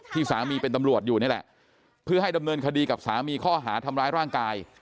สามีเป็นตำรวจอยู่นี่แหละเพื่อให้ดำเนินคดีกับสามีข้อหาทำร้ายร่างกาย